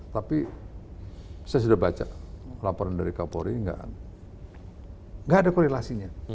tapi saya sudah baca laporan dari kapolri nggak ada korelasinya